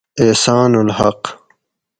احسان الحق